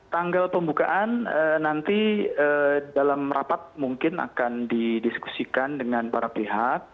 tanggal pembukaan nanti dalam rapat mungkin akan didiskusikan dengan para pihak